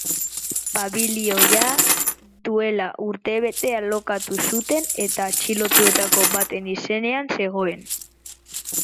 Pabilioia duela urtebete alokatu zuten eta atxilotuetako baten izenean zegoen.